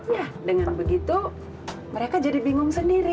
ya dengan begitu mereka jadi bingung sendiri